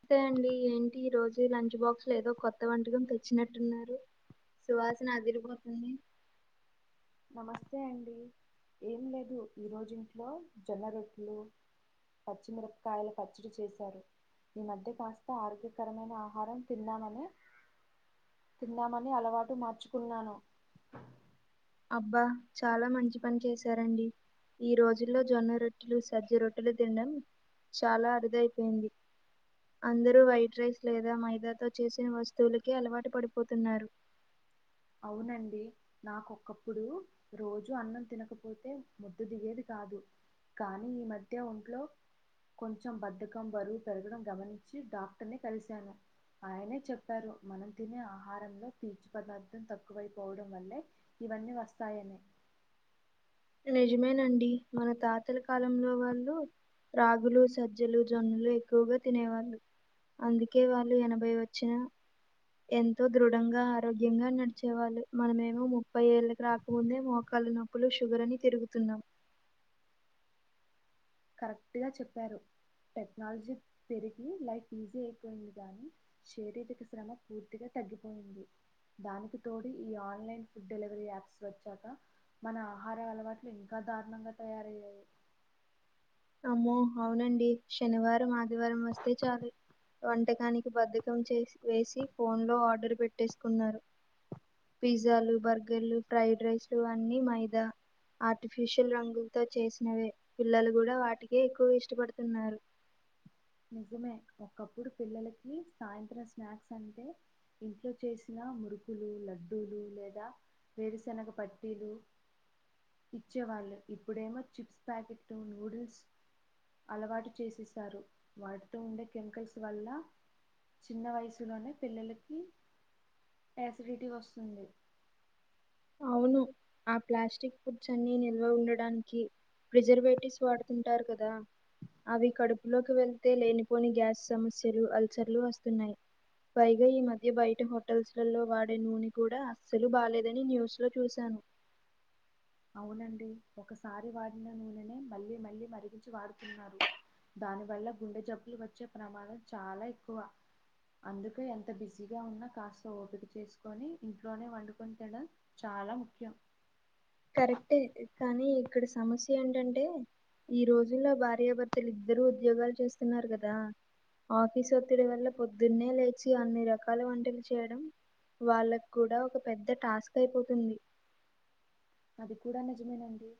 అంతే అండి ఏంటి ఈ రోజు లంచ్ బాక్స్ లో ఏదో కొత్త వంటకం తెచ్చినట్టున్నారు సువాసన అదిరిపోతుంది నమస్తే అండి ఏం లేదు ఈరోజు ఇంట్లో జొన్నరొట్లు పచ్చిమిరపకాయల పచ్చడి చేసారు ఈ మధ్య కాస్త ఆరోగ్యకరమైన ఆహారం తిందామని తిందామని అలవాటు మార్చుకున్నాను అబ్బా చాలా మంచి పని చేశారండి ఈ రోజుల్లో జొన్నరొట్టెలు సజ్జరొట్టెలు తిండం చాలా అరుదయిపోయింది అందరూ వైట్ రైస్ లేదా మైదా తో చేసిన వస్తువులకే అలవాటు పడిపోతున్నారు అవునండి నాకు ఒకప్పుడు రోజూ అన్నం తినకపోతే ముద్ద దిగేది కాదు కానీ ఈ మధ్య ఒంట్లో కొంచెం బద్దకం బరువు పెరగడం గమనించి డాక్టర్ ని కలిసాను ఆయనే చెప్పారు మనం తినే ఆహారంలో పీచు పదార్ ర్థం తక్కువైపోవడం వల్లే ఇవన్నీ వస్తాయని నిజమేనండి మన తాతల కాలంలో వాళ్ళు రాగులు సజ్జలు జొన్నలు ఎక్కువగా తినేవాళ్ళు అందుకే వాళ్ళు ఎనభై వచ్చిన ఎంతో దృఢంగా ఆరోగ్యంగా నడిచేవాళ్ళు మనమేమో ముప్పై ఏళ్ళకి రాకముందే మోకాలు నొ ప్పులు షుగర్ అని తిరుగుతున్నాం కరెక్ట్ గా చెప్పారు టెక్నాలజీ పెరిగి లైఫ్ ఈజీ అయిపోయింది గానీ శారీరక శ్రమ పూర్తిగా తగ్గిపోయింది దానికి తోడి ఈ ఆన్లైన్ ఫుడ్ డెలివరీ యాప్స్ వచ్చాక మన ఆహార అలవాట్లు ఇంకా దారుణంగా తయారయ్యాయి అమ్మో అవునండి శనివారం ఆద్ ది శనివారం వస్తే చాలు వంటకానికి బద్ధకం చేసి వేసి ఫోన్ లో ఆర్డర్ పెట్టేసుకున్నారు పిజ్జాలు బర్గర్లు ట్రైడ్ రైస్ లు అన్నీ మైదా ఆర్టిఫీషియల్ రంగులతో చేసినవే పిల్లలు గూడా వాటికే ఎక్కువ ఇష్టపడుతున్నారు నిజమే ఒకప్పుడు పిల్లలకి సాయంత్రం స్నాక్స్ అంటే ఇంట్లో చేసిన మురుకులు లడ్డూలు లేదా వేరుశెనగ పట్టీలు ఇచ్చేవాళ్ళు ఇప్పుడేమో చిప్స్ ప్యాకెట్లు న్యూడిల్స్ అలవాటు చేసేసారు వాటితో ఉండే కెమికల్స్ వల్ల చిన్న వయసులోనే పిల్లలకి యాసిడిటీ వస్తుంది అవును ఆ ప్లాస్టిక్ ఫుడ్స్ అన్ని నిల్వ ఉండడానికి ప్రిజర్వేటివ్స్ వాడుతుంటారు కదా అవి కడుపులోకి వెళ్తే లేనిపోని గ్యాస్ సమస్యలు అల్సర్ లు వస్తున్నాయ్ పైగా ఈ మధ్య బయట హోటల్స్ లల్లో వాడే నూనె కూడా అస్సలు బాలేదని న్యూస్ న్యూస్లో చూశాను అవునండి ఒకసారి వాడిన నూనెనే మళ్ళీ మళ్ళీ మరిగించి వాడుతున్నారు దాని వల్ల గుండె జబ్బులు వచ్చే ప్రమాదం చాలా ఎక్కువ అందుకే ఎంత బిజీగా ఉన్నా కాస్త ఓపిక చేసుకొని ఇంట్లోనే వండుకొని తినడం చాల ముఖ్యం కరెక్టే కానీ ఇక్కడ సమస్య ఏంటంటే ఈ రోజుల్లో భార్యాభర్తలు ఇద్దరు ఉద్యోగాలు చేస్తున్నారు కదా ఆఫీస్ ఒత్తిడి వల్ల పొద్దున్నే లేచి అన్ని రకాల వంటలు చేయడం వాళ్ళకు కూడా ఒక పెద్ద టాస్క్ అయిపోతుంది అది కూడా నిజమేనండి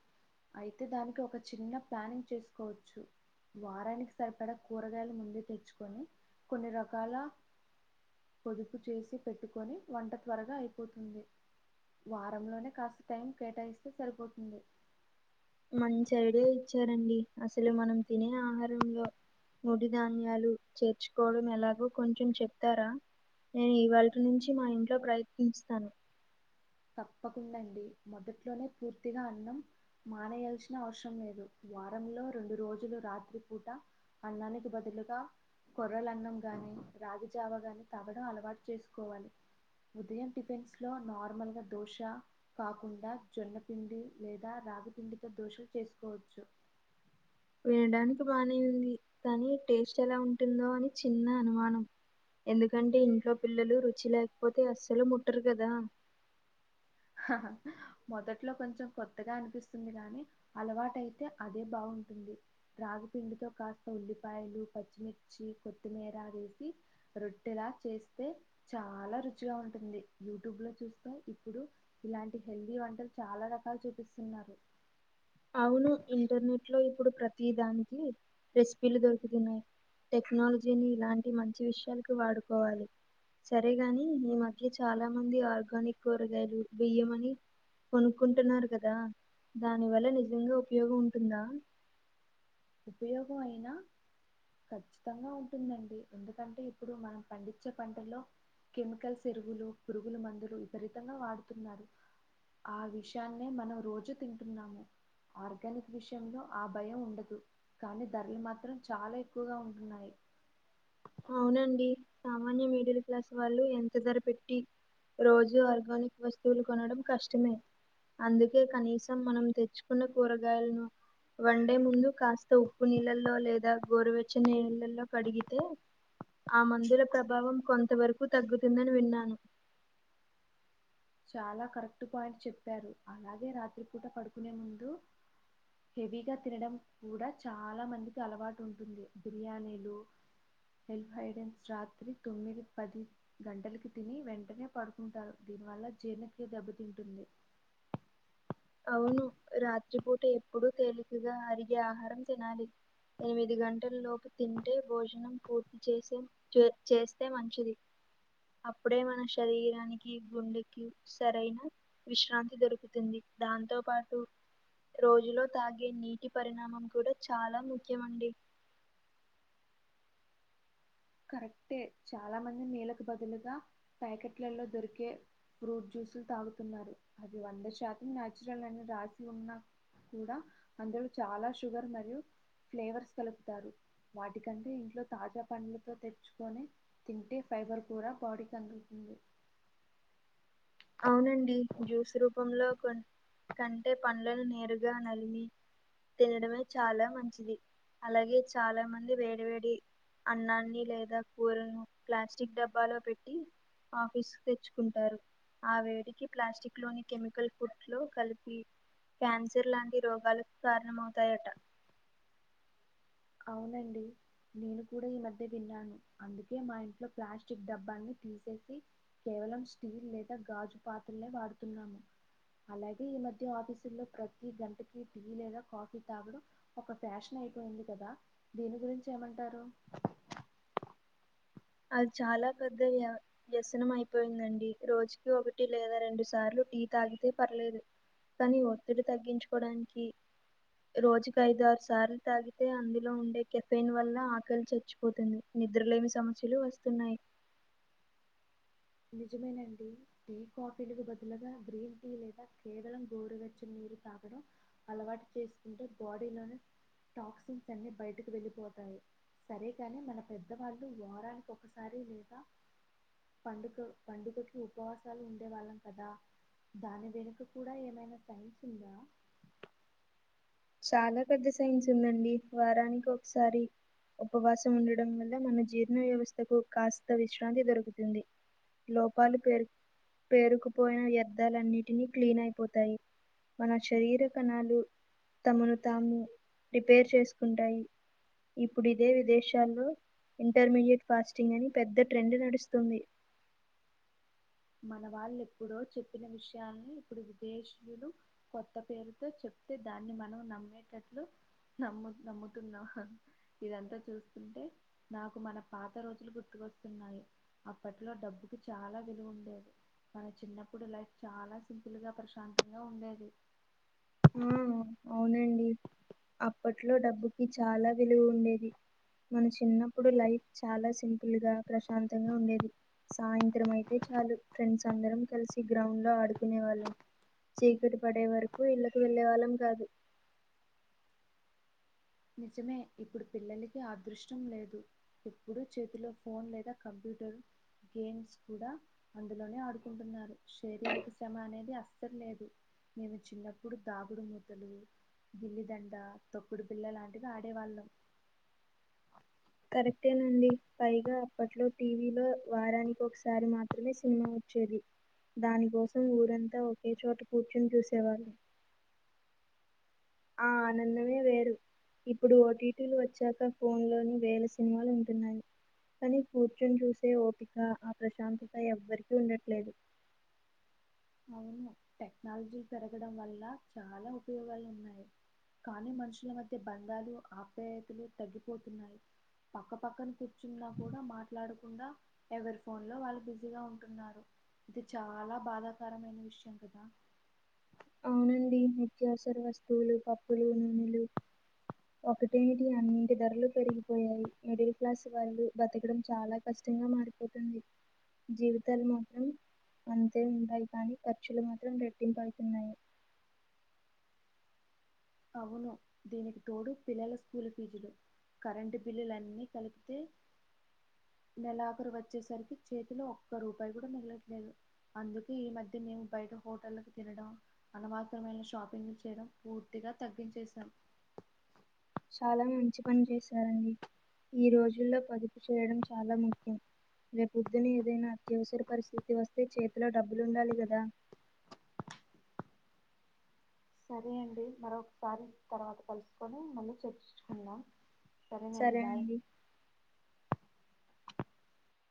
అయితే దానికి ఒక చిన్న ప్లానింగ్ చేసుకోవచ్చు వారానికి సరిపడా కూరగాయలు ముందే తెచ్చుకొని కొన్ని రకాల పొదుపు చేసి పెట్టుకొని వంట త్వరగా అయిపోతుంది వారంలోనే కాస్త టైం కేటాయిస్తే సరిపోతుంది మంచి ఐడియా ఇచ్చారండి అసలు మనం తినే ఆహారంలో ముడిధాన్యాలు చేర్చుకోవడం ఎలాగో కొంచెం చెప్తారా నేను ఇవాల్టి నుంచి మా ఇంట్లో ప్రయత్నిస్తాను తప్పకుండా అండి మొదట్లోనే పూర్తిగా అన్నం మానేయాల్సిన అవసరం లేదు వారంలో రెండు రోజులు రాత్రి పూట అన్నానికి బదులుగా కొర్రల అన్నం గాని రాగిజావ గాని తాగడం అలవాటు చేసుకోవాలి ఉదయం టిఫెన్స్ లో నార్మల్ గా దోశ కాకుండా జొన్నపిండి లేదా రాగిపిండితో దోషలు చేసుకోవచ్చు వినడానికి బానే ఉంది కానీ టేస్ట్ ఎలా ఉంటుందో అని చిన్న అనుమానం ఎందుకంటే ఇంట్లో పిల్లలు రుచి లేకపోతే అస్సలు ముట్టరు కదా హహ మొదట్లో కొంచెం కొత్తగా అనిపిస్తుంది గానీ అలవాటైతే అదే బాగుంటుంది రాగిపిండితో కాస్త ఉల్లిపాయలు పచ్చిమిర్చి కొత్తిమీర వేసి రొట్టెలా చేస్తే చాలా రుచిగా ఉంటుంది యూట్యూబ్ లో చూస్తే ఇప్పుడు ఇలాంటి హెల్తీ వంటలు చాలా రకాలు చూపిస్తున్నారు అవును ఇంటర్నెట్ లో ఇప్పుడు ప్రతి దానికి రెసిపీలు దొరుకుతున్నాయి టెక్నాలజీని ఇలాంటి మంచి విషయాలకు వాడుకోవాలి సరేగాని ఈ మధ్య చాలా మంది ఆర్గానిక్ కూరగాయలు బియ్యమని కొనుక్కుంటున్నారు కదా దాని వల్ల నిజంగా ఉపయోగం ఉంటుందా ఉపయోగం అయినా ఖచ్చితంగా ఉంటుందండి ఎందుకంటే ఇప్పుడు మనం పండించే పంటల్లో కెమికల్స్ ఎరువులు పురుగుల మందులు విపరీతంగా వాడుతున్నారు ఆ విషాన్నే మనం రోజు తింటున్నాము ఆర్గానిక్ విషయంలో ఆ భయం ఉండదు కానీ ధరలు మాత్రం చాలా ఎక్కువగా ఉంటున్నాయి అవునండి సామాన్య మీడిల్ క్లాస్ వాళ్ళు ఎంత ధర పెట్టి రోజు ఆర్గానిక్ వస్తువులు కొనడం కష్టమే అందుకే కనీసం మనం తెచ్చుకున్న కూరగాయలను వన్ డే ముందు కాస్త ఉప్పు నీళ్ళల్లో లేదా గోరువెచ్చ నీళ్ళల్లో కడిగితే ఆ మందుల ప్రభావం కొంత వరకు తగ్గుతుందని విన్నాను చాలా కరెక్ట్ పాయింట్ చెప్పారు అలాగే రాత్రిపూట పడుకునే ముందు హెవీగా తినడం కూడా చాలా మందికి అలవాటు ఉంటుంది బిర్యానీలు హెల్ హైడెన్స్ రాత్రి తొమ్మిది పది గంటలకి తిని వెంటనే పడుకుంటారు దీని వల్ల జీర్ణక్రియ దెబ్బతింటుంది అవును రాత్రిపూట ఎప్పుడూ తేలికగా అరిగే ఆహారం తినాలి ఎనిమిది గంటల లోపు తింటే భోజనం పూర్తి చేసే చే చేస్తే మంచిది అప్పుడే మన శరీరానికి గుండెకి సరైన విశ్రాంతి దొరుకుతుంది దాంతో పాటు రోజులో తాగే నీటి పరిణామం కూడా చాలా ముఖ్యమండి కరెక్టే చాలా మంది నేలకు బదులుగా ప్యాకెట్లలో దొరికే ఫ్రూట్ జ్యూసులు తాగుతున్నారు అది వంద శాతం నాయాచురల్ అని రాసి ఉన్న కూడా అందులో చాలా షుగర్ మరియు ఫ్లేవర్స్ కలుపుతారు వాటికంటే ఇంట్లో తాజా పండ్లు తో తెచ్చుకొని తింటే ఫైబర్ కూర బాడీ కందుతుంది అవునండి జ్యూస్ రూపంలో కొన్ కంటే పండ్లను నేరుగా నమిలి తినడమే చాలా మంచిది అలాగే చాలా మంది వేడి వేడి అన్నాన్ని లేదా కూరలను ప్లాస్టిక్ డబ్బాలో పెట్టి ఆఫీస్క్ తెచ్చుకుంటారు ఆ వేడికి ప్లాస్టిక్ లోని కెమికల్ ఫుడ్ లో కలిపి క్యాన్సర్ లాంటి రోగాలక్ కారణమవుతయట అవునండి నేను కూడా ఈ మధ్య విన్నాను అందుకే మా ఇంట్లో ప్లాస్టిక్ డబ్బాని తీసేసి కేవలం స్టీల్ లేద గాజు పాత్రలే వాడుతున్నాము అలాగే ఈ మధ్య ఆఫీసుల్లో ప్రతి గంటకి టీ లేదా కాఫీ తాగడం ఒక ఫ్యాషన్ అయిపోయింది కదా దీని గురించి ఏమంటారు అది చాలా పెద్దవి యా వ్యసనం అయిపోయిందండి రోజుకి ఒకటి లేదా రెండు సార్లు టీ తాగితే పర్లేదు కని ఒత్తిడి తగ్గించుకోవడానికి రోజుకి ఐదు ఆరు సార్లు తాగితే అందులో ఉండే కెఫెన్ వల్ల ఆకలి చచ్చిపోతుంది నిద్రలేమి సమస్యలు వస్తున్నాయి నిజమేనండి టీ కాఫీలకు బదులుగా గ్రీన్ టీ లేదా కేవలం గోరువెచ్చ నీరు తాగడం అలవాటు చేసుకుంటే బాడీలోని టాక్సిన్స్ అన్ని బయటకు వెళ్ళిపోతాయి సరేకాని మన పెద్దవాళ్ళు వారానికి ఒకసారి లేదా పండుక పండుగకి ఉపవాసాలు ఉండేవాళ్ళం కదా దాని వెనుక కూడ ఏమైనా సైన్స్ ఉందా చాలా పెద్ద సైన్స్ ఉందండి వారానికి ఒకసారి ఉపవాసం ఉండడం వల్ల మన జీర్ణ వ్యవస్థకు కాస్త విశ్రాంతి దొరుకుతుంది లోపాల్ పెరు పేరుకుపోయిన వ్యర్థాలన్నిటినీ క్లీన్ అయిపోతాయి మన శరీర కణాలు తమను తాము రిపేర్ చేసుకుంటాయి ఇప్పుడు ఇదే విదేశాల్లో ఇంటర్మీడియట్ ఫాస్టింగ్ అని పెద్ద ట్రెండ్ నడుస్తుంది మన వాళ్ళు ఎప్పుడో చెప్పిన విషయాల్ని ఇప్పుడు విదేశీయులు కొత్త పేరుతో చెప్తే దాన్ని మనం నమ్మేటట్లు నమ్ నమ్ముతున్నా హ ఇదంతా చూస్తుంటే నాకు మన పాత రోజులు గుర్తుకొస్తున్నాయి అప్పట్లో డబ్బుకు చాలా విలువ ఉం డెది మన చిన్నప్పుడు లైఫ్ చాలా సింపుల్ గా ప్రశాంతంగా ఉండేది ఉ అవునండి అప్పట్లో డబ్బుకి చాలా విలువ ఉండేది మన చిన్నప్పుడు లైఫ్ చాలా సింపుల్ గా ప్రశాంతంగా ఉండేది సాయంత్రం అయితే చాలు ఫ్రెండ్స్ అందరం కలిసి గ్రౌండ్ లో ఆడుకునే వాళ్ళం చీకటి పడే వరకు ఇళ్ళకు వెళ్ళే వాళ్ళం కాదు నిజమే ఇప్పుడు పిల్లలకి అదృష్టం లేదు ఎప్పుడు చేతిలో ఫోన్ లేదా కంప్యూటర్ గేమ్స్ కూడ అందులోనే ఆడుకుంటున్నారు షరీరక శ్రమ అనేది అస్సలు లేదు నేను చిన్నప్పుడు దాగుడు మూతలు గిల్లిదండ తొక్కుడు బిల్ల లాంటివి ఆడేవాళ్ళం కరెక్టేనండి పైగా అప్పట్లో టీవీలో వారానికి ఒకసారి మాత్రమే సినిమా వచ్చేది దానికోసం ఊరంతా ఒకే చోట కూర్చుని చూసేవారు ఆ అనందమే వేరు ఇప్పుడు ఓటీటీలు వచ్చాక ఫోన్ లోని వేల సినిమాలు ఉంటున్నాయి కానీ కూర్చొని చూసే ఓపిక ఆ ప్రశాంతత ఎవ్వరికి ఉండట్లేదు అవును టెక్నాలజి పెరగడం వల్ల చాలా ఉపయోగాలున్నాయి కానీ మనుషుల మధ్య బంధాలు ఆప్యాయతలు తగ్గిపోతున్నాయి పక్క పక్కన కూర్చున్నా కూడా మాట్లాడకుండా ఎవరు ఫోన్ లో వాళ్ళు బిజీగా ఉంటున్నారు ఇది చాలా బాధాకరమైన విషయం కదా ఆవునండి నిత్యావసర వస్తువులు పప్పులు నూనెలు ఒకటేమిటి అన్నంటి ధరలు పెరిగిపోయాయి మిడిల్ క్లాస్ వాళ్ళు బతకడం చాలా కష్టంగా మారిపోతుంది జీవితాలు మాత్రం అంతే ఉంటాయి కానీ ఖర్చులు మాత్రం రెట్టింపు అవుతున్నాయి అవును దీనికి తోడు పిల్లల స్కూల్ ఫీజులు కరెంటు బిల్లులన్నీ కలిపితే నెలాఖరు వచ్చేసరికి చేతిలో ఒక్క రూపాయి కూడా మిగలట్లేదు అందుకే ఈ మధ్య మేము బయట హోటళ్కి తినడం అనవాతమైన షాపింగ్ చేయడం పూర్తి టిగా తగ్గించేసాం చాలా మంచి పని చేశారండి ఈ రోజుల్లో పదుపు చేయడం చాలా ముఖ్యం రేపుొద్దుని ఏదైనా అత్యవసర పరిస్థితి వస్తే చేతిలో డబ్బులు ఉండాలి కదా సరే అండి మరొకసారి తర్వాత కలుసుకొని మళ్ళీ చర్చించుకుందం సరేనండి సరే బాయ్ అండి